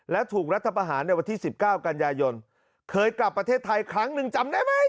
และถูกรัฐประหารในวันที่๑๙กันยายนเคยกลับประเทศไทยครั้งหนึ่งจำได้ไหม